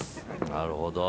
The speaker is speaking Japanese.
なるほど。